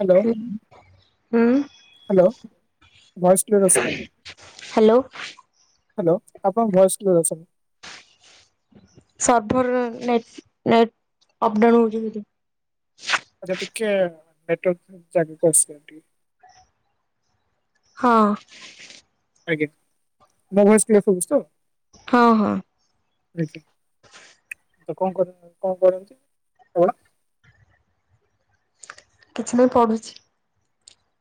Hello hello ହୁଁ। Voice clear ଆସୁନି hello. Hello ଆପଣଙ୍କ ଭଏସ୍ କ୍ଲିୟର ଆସୁନି। ସର୍ଭର ନେଟ ନେଟ ଅପଡାଉନ୍ ହୋଉଚି ବୋଧେ। ଆଚ୍ଛା ଟିକେ ନେଟୱାର୍କ ଜାଗାକୁ ଆସିଯାନ୍ତୁ ଟିକେ। ହଁ। ଆଜ୍ଞା, ମୋ ଭଏସ୍ କ୍ଲିୟର ଶୁଭୁଛି ତ? ହଁ ହଁ। ଆଜ୍ଞା ତ କନ୍ କର କନ୍ କରନ୍ତି ପଣ? କିଛି ନାହିଁ ପଢ଼ୁଛି।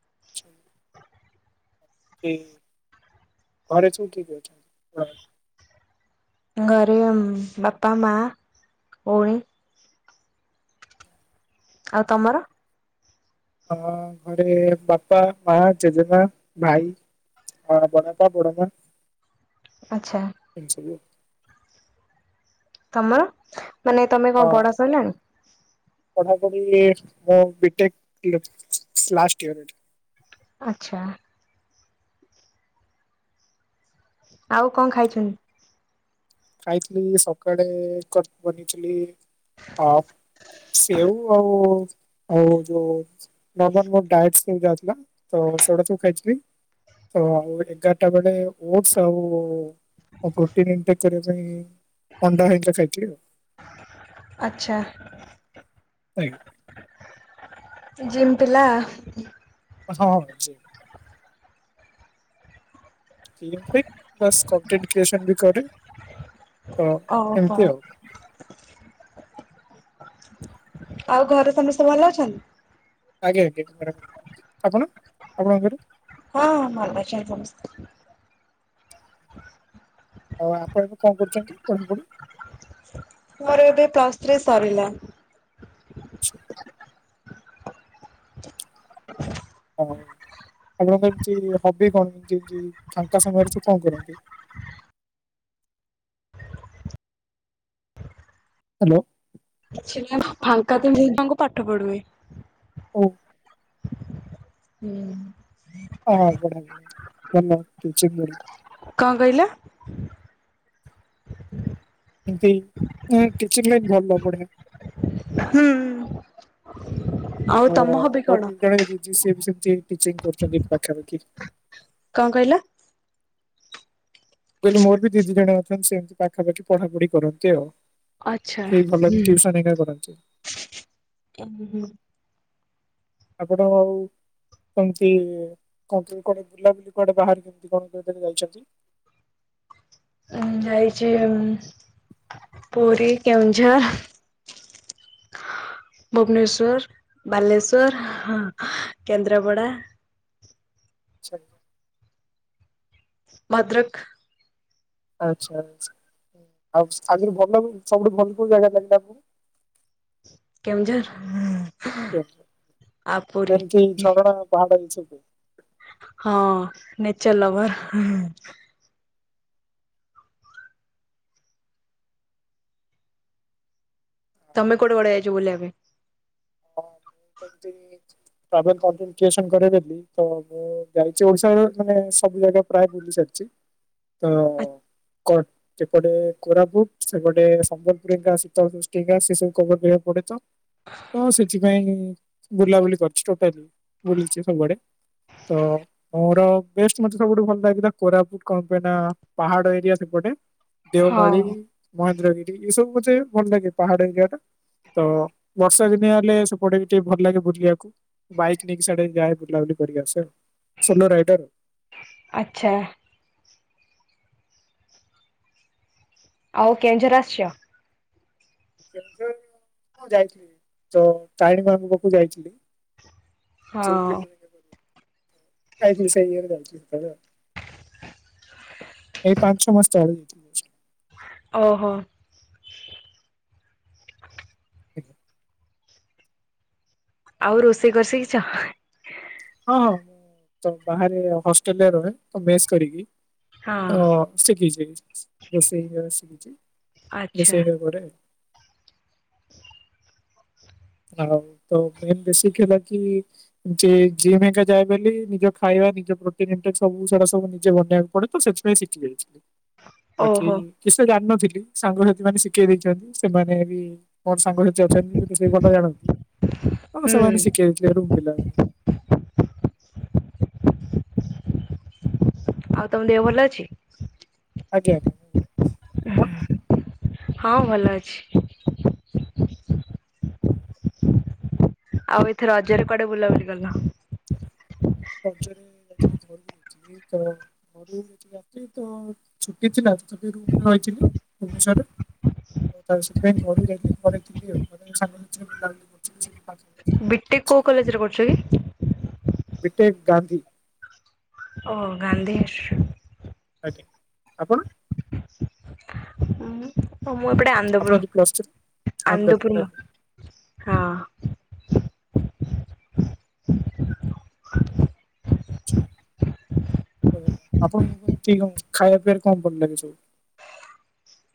ଆ [inaudible] ଉଁ ଘରେ ସୁ କିଏ କିଏ ଅଛନ୍ତି? ଘରେ ଆମ ବାପା ମା ଭଉଣୀ ଆଉ ତମର ଅ ଘରେ ବାପା ମା ଜେଜେମା ଭାଇ ହଁ ପଡପା ପଡମା ଆଚ୍ଛା [unintelligible] ତମର ମାନେ ତମେ କଣ ପଢ଼ା ସଇଲାଣି? ପଢାପଢ଼ି ଏ ମୁଁ ବିଟେକ୍ ଲାଷ୍ଟ ଇଅର୍ ଆଚ୍ଛା ଆଉ କଣ ଖାଇଛନ୍ତି? ଖାଇଥିଲ ସକାଳେ କଟ୍ ବନେଇଥିଲି ଅ ସେଉ ଆଉ ଆଉ ଯୋଉ ନର୍ମାଲ ମୋ ଡାଏଟ ସ୍କିମ ଚାଲିଥିଲା ତ ସେଗୁଡା ସବୁ ଖାଇଥିଲି। ତ ଆଉ ଏଗାଟ ବେଳେ ଓଟସ୍ ଆଉ ମୋ ପ୍ରୋଟିନ୍ ଇନ୍ଟେକ୍। କରିବା ପାଇଁ ଅଣ୍ଡା ହେଇଥିଲା ଖାଇଥିଲି। ଆଚ୍ଛା ଆଜ୍ଞା ଜିମ୍ ପିଲା ହଁ ବାସ କଣ୍ଟେଣ୍ଟ କ୍ରିଏସନ ବି କରେ ଓହୋ ଏମିତି ଆଉ ଆଉ ଘରେ ସମସ୍ତେ ଭଲ ଅଛନ୍ତି? ଆଜ୍ଞା ଆଜ୍ଞା ଆପଣ ଆପଣଙ୍କ ଘରେ? ହଁ ହଁ ଭଲ ଅଛନ୍ତି ସମସ୍ତେ। ଆଉ ଆପଣ ଏବେ କଣ କରୁଛନ୍ତି ପଢ଼ା ପଢ଼ି ମୋର ଏବେ ପ୍ଲସ୍ ଥ୍ରୀ ସରିଲା। ଆଛା ହଉ ଆପଣଙ୍କ ଏମତି ହବି କଣ ମତି ଫାଙ୍କା ସାଙ୍ଗରେ ସବୁ କଣ କରନ୍ତି ହ୍ୟାଲୋ କିଛି ନା ଫାଙ୍କା ତ ତାଙ୍କୁ ପାଠ ପଢୁବି ଓ ହୁଁ ହଁ ପଢ଼ନ୍ତୁ [unintelligible] କଣ କହିଲ? ଏମତି ଟିଚିଂ ଲାଇନ୍ ଭଲ ବଢିଆ ହୁଁ ଆଉ ଅ ତମ ହବି ମୋର କଣ? ବି ଜଣେ ଦିଦି ସିଏ ବି ସେମତି ଟିଚିଂ କରୁଛନ୍ତି ପାଖାପାଖି କଣ କହିଲ? କହିଲେ ମୋର ବି ଦିଦି ଜଣ ଅଛନ୍ତି ସେମିତି ପାଖାପାଖି ପଢ଼ାପଢି କରନ୍ତି ଆଉ ସେଇ ଭଲ ଟିଉସନ ହାରିକା କରନ୍ତି। ହ [inaudible] ଆପଣ ଆଉ କେମିତି କଣ୍ଟ୍ରି କୁଆଡ଼େ ବୁଲାବୁଲି କୁଆଡେ ବାହାରେ କେମିତି କଣ କୋରେ ଯାଇଛନ୍ତି। ଯାଇଛି ହିଁ ପୁରୀ, କେଉଝର ଭୁବନେଶ୍ଵର, ବାଲେଶ୍ଵର ହିଁ କେନ୍ଦ୍ରାପଡା ଛ ଭଦ୍ରକ। ଆଚ୍ଛା, ଆଚ୍ଛା, ଆଉ [unintelligible] ଭଲ ଲାଗୁ ଗଲା ସବୁଠୁ ଭଲ କୋଉ ଯାଗା ଲାଗିଲା ଆପଣଙ୍କୁ? କେଉଁଝର ହୁଁ। କେଉଁଝର, ଏମତି ଝରଣା, ପାହାଡ ଏଇ ସବୁ ହଁ, ନେଚର୍ ଲଭର୍ ହଁ, ହଁ। ତମେ କୁଆଡେ କୁଆଡେ ଯାଇଛ ବୁଲିବା ପାଇଁ? [unintelligible] କରିଦେବି ତ ତ ଯାଇଛି, ଓଡିଶାର ମାନେ ସବୁ ଜାଗା ପ୍ରାୟ ବୁଲି ସାରିଛି। ତ ପାଇଁ? କଟ୍ ସେପଟେ କୋରାପୁଟ୍, ସେପଟେ ସମ୍ବଲପୁରୀଙ୍କା ଶୀତ ସୃଷ୍ଟିକା ସେ ସବୁ କଭର୍ କରିବାକୁ ପଡେ ତ ତ ସେଥିପାଇଁ, ବୁଲାବୁଲି କରିଛି, ଟୋଟାଲି। ବୁଲିଛି ସବୁଆଡେ। ତ ମୋର ବେଷ୍ଟ ମତେ ସବୁଠୁ ଭଲ ଲାଗିଲା, କୋରାପୁଟ୍ କଣ ପାଇଁ ନା! ପାହାଡ ଏରିଆ ସେପଟେ। ଦେଓମାଳି। ହଁ ମହେନ୍ଦ୍ରଗିରି, ଏ ସବୁ ମତେ ଭଲ ଲାଗେ ପାହାଡ ଏରିଆ ଟା। ତ ବର୍ଷା ଦିନିଆ ହେଲେ ସେପ୍ ପଟେ ବି ଟିକେ ଭଲ ଲାଗେ ବୁଲିବାକୁ। ବାଇକ୍ ନେଇକି ସିଆଡେ ଯାଏ, ବୁଲାବୁଲି କରିକି ଆସେ। ସୋଲୋ ରାଇଡର୍ ଆଉ। ଆଚ୍ଛା। ଆଉ କେଉଁଝର ଆସିଛ? କେଉଁଝର ମୁଁ ଯାଇଥିଲି। ଯଉ ତାରିଣୀ ମାଁ ଙ୍କ ପାଖକୁ ଯାଇଥିଲି। [unintelligible] ହଁ ଯାଇଥିଲି ସେଇ ଇଏ ରେ, ଯାଇଥିଲି ସେତେବେଳେ ଆଉ। ଏଇ ପାଞ୍ଚ ଛଅ ମାସ ତଳେ ଯାଇଥିଲି। ଓହୋ। ଆଜ୍ଞା। ଆଉ, ରୋଷେଇ କରିଶିଖିଚ? ହଁ, ହଁ, ମୁଁ ତ ବାହାରେ ହଷ୍ଟେଲରେ ରୁହେ, ତ ମେସ୍ କରିକି ହଁ, ଶିଖିଛି। ରୋଷେଇ ଶିଖିଛି, ଆଚ୍ଛା ରୋଷେଇ କରେ। ଆଉ, ତ ମେନ୍ ବେସିକ୍ ହେଲା କି ଯେ ଜିମ୍ ହେଇକା ଯାଏ ବେଲି, ନିଜ ଖାଇବା, ନିଜ ପ୍ରୋଟିନ୍ ଇଣ୍ଟେକ୍ ସବୁ ସେଡା ସବୁ, ନିଜେ ବନେଇବାକୁ ପଡେ ତ ସେ ନାଇଁ ଶିଖିଯାଇଛି, ବାକି ଓହୋ କିସିତ ଜାଣିନଥିଲି? ସାଙ୍ଗସାଥି ମାନେ ଶିଖେଇ ଦେଇଛନ୍ତି। ସେମାନେ ବି ମୋର ସାଙ୍ଗସାଥିୀ ଅଛନ୍ତି [inaudible] ସେ ଭଲ ଜାଣନ୍ତି, ହଁ ହୁଁ ସେମାନେ ଶିଖେଇ ଦେଇଥିଲେ, ରୁମ୍ ପିଲା। ଆଉ ତମ ଦେହ ଭଲ ଅଛି? ଆଜ୍ଞା। ମୁଁ ବଢିଆ। ଆପଣ ହୁଁ, ହଁ, ଭଲ ଅଛି। ଆଉ ଏଥର ରଜରେ କୁଆଡେ ବୁଲାବୁଲି କରିନ? ରଜରେ ଯାଇ [inaudible] ତ ଘରୁ ଯାଇଥିଲି ତ ଛୁଟି ଥିଲା ତ ସେଠି ରୁମ୍ ରେ ରହିଥିଲି, ଭୁବନେଶ୍ଵରରେ। ତ ସେଥିପାଇଁ ଘରୁ ଯାଇଥିଲି। ଘରେ ଥିଲି ଆଉ, ମାନେ ସାଙ୍ଗସାଥୀ [inaudible] କରୁଥିଲି ଆଉ [inaudible] ବିଟେକ୍ କୋଉ କଲେଜରେ କରୁଛ କି? ବିଟେକ୍ ଗାନ୍ଧୀ ଓ ଗାନ୍ଧୀ। [unintelligible] ଆଜ୍ଞା। ଆପଣ? ଆ ମୁଁ ହଁ, ମୁଁ ଏପଟେ ଆପଣ ଆନ୍ଦପୁରୁ, ଯୋଉ ପ୍ଲସ୍ ଥ୍ରୀ ଆନ୍ଧ୍ର ଆନ୍ଦପୁରୁ ମ ଆଜ୍ଞା ହଁ। [unintelligible] ତ ଆପଣଙ୍କୁ କେମତି କଣ ଖାଇବା ପିଇବାରେ କଣ ଭଲ ଲାଗେ ସବୁ?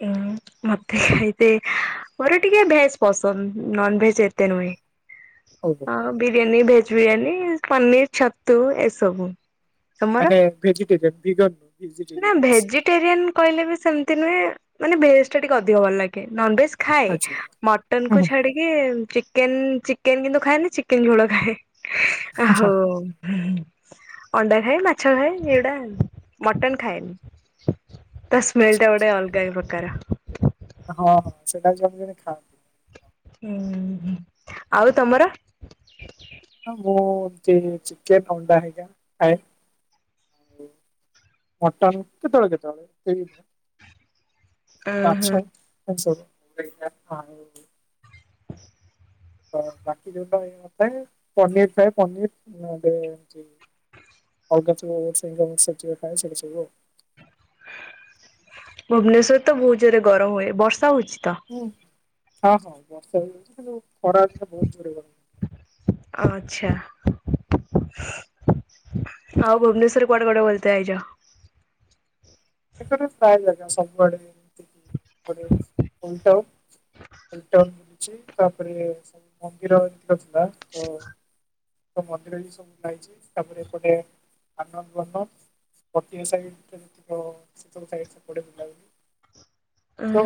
ହଁ ମତେ ଏଇତି ମୋର ଟିକେ ଭେଜ୍ ପସନ୍ଦ ନନ୍ ଭେଜ ଏତେ ନୁହେଁ। ହଉ ହଉ ହଁ ବିରିୟାନୀ ଭେଜ୍ ବିରିୟାନୀ ପନିର ଛତୁ ଏସବୁ। ତମର? ମାନେ ଭେଜିଟେରିଆନ୍ [unintelligible] ଭେଜିଟେରିଆନ୍ କହିଲେ ବି ସମିତି ନୁହେଁ। ମାନେ ଭେଜ୍ ଟା ଟିକେ ଅଧିକ ଭଲଲାଗେ। ନନ୍ ଭେଜ୍ ଖାଏ। ଆଚ୍ଛା ହୁଁ ମଟନ କୁ ହୁଁ ଛାଡ଼ିକି ଚିକେନ୍ ଚିକେନ୍ କିନ୍ତୁ ଖାଏନି ଚିକେନ୍ ଝୋଳ ଖାଏ। ଆ ହୋ ଆଚ୍ଛା ହୁଁ ହୁଁ ଅଣ୍ଡା ଖାଏ, ମାଛ ଖାଏ, ଏଗୁଡ଼ା ଆଉ ମଟନ ଖାଏନି। ତା ସ୍ମେଲଟା ଗୋଟେ ଆଚ୍ଛା ଅଲଗା ପ୍ରକାର। ହଁ ଜଣେ ଜଣେ ଖା ଉ ହୁଁ, ଆଉ ତମର ହୁଁ, ମୁଁ ଚି ଚିକେନ ଅଣ୍ଡା ହେରିକା ଖାଏ। ମଟନ୍ କେତେବେଳେ କେତେବେଳେ ସେ ମାଛ, ମାଂସ ସେଇଟା ଖାଏ ତ ବାକି ଯୋଉଟା ଥାଏ ପନିର ଥାଏ ପନିର [unintelligible] ଅଲଗା [unintelligible] ଭୁବନେଶ୍ଵର ତ ବହୁତ ଜୋର୍ ରେ ଗରମ ହୁଏ, ବର୍ଷା ହଉଛି ତ। ହୁଁ- ହଁ-ହଁ ବର୍ଷା ହେଇଯାଉଛି ଖରା କିନ୍ତୁ ବହୁତ ଜୋରେ [unintelligible] ଆଚ୍ଛା। ଆଉ ଭୁବନେଶ୍ଵରରେ କୁଆଡ଼େ କୁଆଡ଼େ ବୁଲତେ ଆଇଚ? ଭୁବନେଶ୍ୱର ରେ ପ୍ରାୟ ଜାଗା ସବୁଆଡ଼େ ବୁଲିଯାଉ। [unintelligible] ଅଛି ତାପରେ ସବୁ ମନ୍ଦିର [unintelligible] ତ ସବୁ ମନ୍ଦିର ବି ସବୁ ଯାଇଛି ତାପରେ ଏପଟେ ଆନନ୍ଦ [unintelligible] [unintelligible] ଉଁ ଥୋ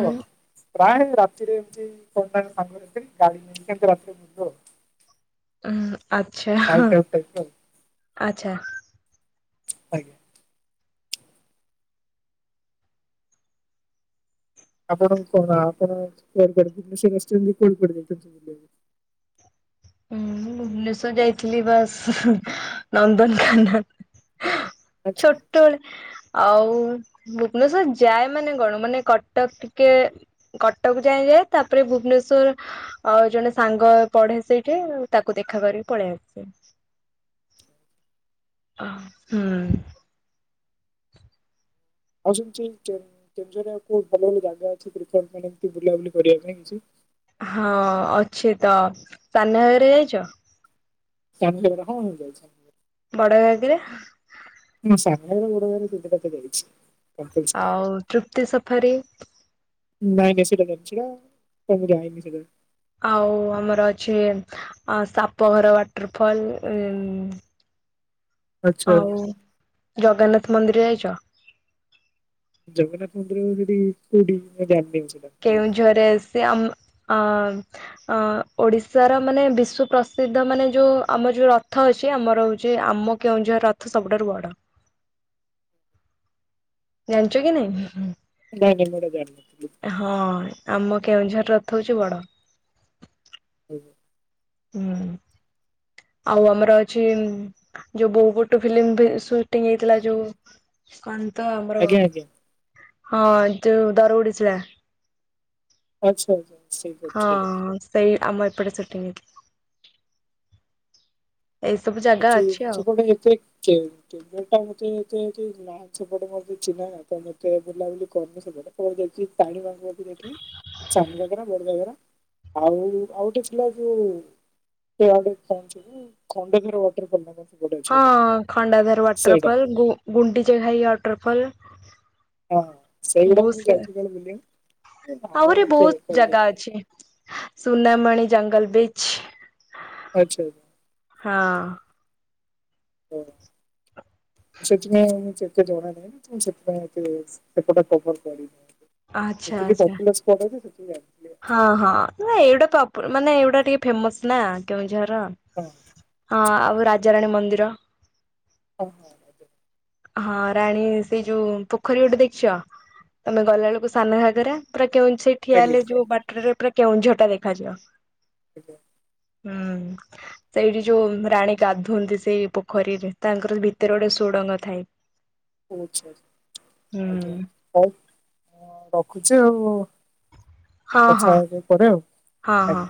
ପ୍ରାୟ ରାତିରେ ଏମତି [unintelligible] ଗାଡ଼ି ନେଇକି ସେମିତି ରାତିରେ ଯିବୁ ଆଉ। ହଁ ଆଚ୍ଛା, ହଁ ନାଇଟ୍ ଆଉଟ୍ ଟାଇପ୍ ର ଆଉ ଆଚ୍ଛା। ଆଜ୍ଞା। ଆପଣଙ୍କ ଆପଣ [unintelligible] ହୁଁ-ମୁଁ ଭୁବନେଶ୍ଵର ଯାଇଥିଲି ବାସ୍ ନନ୍ଦନକାନନ୍। ଛୋ ଆଚ୍ଛା। ଟ ବେଳେ ଆଉ ଭୁବନେଶ୍ଵର ଯାଏ ମାନେ କଣ ମାନେ କଟକ ଟିକେ କଟକ ଯାଏ ଯାଏ ତାପରେ ଭୁବନେଶ୍ୱର ଅ ଜଣେ ସାଙ୍ଗ ପଢ଼େ ସେଇ ରେ, ତାକୁ ଦେଖା କରିକି ପଳେଇ ଆସେ ହ- ହୁଁ। ଆଉ ସେମିତି କେ କେଉଁଝର ରେ ଆଉ କୋଉ ଭଲ ଭଲ ଜାଗା ଅଛି [unintelligible] ଏମତି ବୁଲାବୁଲି କରିବା ପାଇଁ କିଛି? ହଁ ଅଛି ତ ସାନଘାଗାରା ଯାଇଚ? ସାନଘାଗରା ହଁ ମୁଁ ଯାଇଛି। ବଡ଼ଘାଗେରା? ମୋ ସାମ୍ନାରେ [unintelligible] ଜାଇଛି। ଆଉ ତୃପ୍ତି ସଫାରେ? ନାଇଁ [unintelligible] ଆଉ ଆମର ଅଛି, ଆ ସାପଘର ୱାଟରଫଲ୍ ଉଁ ଆଚ୍ଛା ଆଉ ଜଗନ୍ନାଥ ମନ୍ଦିର ଯାଇଛ? ଜଗନ୍ନାଥ ମନ୍ଦିର ସେଠି କୋଉଠି ମୁଁ ଜାଣିନି ସେଇଟା। କେଉଁଝରରେ ସେ ଆମ୍ ଆ ଅ ଓଡିଶାର ମାନେ ବିଶ୍ୱ ପ୍ରସିଦ୍ଧ ମାନେ ଯୋଉ ଆମର ଯୋଉ ରଥ ଅଛି ଆମର ହଉଛି ଆମ କେଉଁଝର ରଥ ସବୁଠାରୁ ବଡ଼। ଜାଣିଛ କି ନାଇଁ। ନାଇଁ ମୁଁ ଏଇଟା ଜାଣିିନଥିଲି। [unintelligible] ହଁ, ଆମ କେଉଁଝର ରଥ ହଉଛି ବଡ। ହୁଁ, ଆଉ ଆମର ଅଛି ଯୋଉ ବୋଉ ବୁଟୁ ଫିଲ୍ମରେ ସୁଟିଂ ହେଇଥିଲା ଯୋଉ କଣ ତ ଆମର ଆଜ୍ଞା ଆଜ୍ଞା ହଁ ଯୋଉ ଦରବୁଢୀ ସିଳା ଆଚ୍ଛା, ଆଛା। ହଁ, ସେଇ ଆମ ଏପଟେ ସୁଟିଙ୍ଗ ହେଇଥଲା। ଏଠି ସେପଟେ ଏତେ କି ଟିମର୍ ଟା ମତେ ଏତେ ଏଠି ନା ସେପଟେ ମୋର ଚିହ୍ନା ତ ମତେ ବୁଲାବୁଲି କରିନୁ ସେପଟେ କଣ ଚାଲଚି ପାଣି ଭାଗ [inaudible] ଦେଖିବି। ସାନଗାଗେରା, ବଡଗାଗେରା ଆଉ, ଆଉ ଗୋଟେ ଥିଲା ଯୋଉ ଇଆଡେ କଣ ସବୁ ଖଣ୍ଡ ଝାର ୱେଟଲ ଫଲ୍ ନା କଣ? ସେ ଗୋଟେ ଅଛି ଗୋଟେ ହଁ, ଖାଣ୍ଡାଧର ସେଇଟା ୱାଟରଫଲ୍, ଗୁ, ଗୁଣ୍ଡିଚି ଘାାଇ ୱାଟରଫଲ୍। ହଁ ସେଇଗୁଡା ବୋହୁ ମୁଁ ସା ଯାଇଛି କାଳେ ବୁଲିବାକୁ ଆଉ ଆହୁରି ଏତେ ବୋହୁତ କୁଆଡେ ଜାଗା ଯାଇନି। ଅଛି। ସୁନାମାଣି ଜଙ୍ଗଲ୍ ବିଚ୍। ଆଚ୍ଛା। ହଁ। ହଁ। ସେଥିପାଇଁ ମୁଁ ସେତେ ଜଣ ନାହିଁ ଏତେ ସେଥିପାଇଁ ସେପଟେ କଭର କରିନୀ। ଆଚ୍ଛା ଯେତିକି ଆଚ୍ଛା ପପୁଲେସ୍ ପରେବି [inaudible] ହଁ, ହଁ, ନା, ଏଇଗୁଡା ପପୂ ମାନେ ଏଇଗୁଡା ଟିକେ ଫେମସ୍ ନା। କେଉଁଝର, ହଁ ହଁ ଆଉ ରାଜାରାଣୀ ମନ୍ଦିର। ହୋଉ। [unintelligible] ହଁ, ରାଣୀ ସେଇ ଯୋଉ ପୋଖୋରୀ ଗୋଟେ ଦେଖଚ? ତମେ ଗଲାଳେକୁ ସାନ ଘାଗେରା ପୁରା କେଉଁଛିଟ୍ ଠିଆ ଆଜ୍ଞା ହେଲେ ଯୋଉ ବାଟ୍ରେ ପୁରା କେଉଁଝର୍ ଟା ଦେଖାଯିବ। ଆଜ୍ଞା। ହୁଁ। ସେଇଠି ଯୋଉ ରାଣୀ ଗାଧ୍ୱନ୍ତି ସେଇ ପୋଖରୀରେ, ତାଙ୍କର ଭିତେରେ ଗୋଟେ ସୁଡ଼ଙ୍ଗ ଥାଏ। ଓଛା, ହୁଁ ଆଜ୍ଞା। ହୋଉ ରଖୁଚି ଆଉ, ହଁ ହଁ ପଛା ହେବି ପରେ ଆଉ। ହଁ, ଆଜ୍ଞା। ହଁ।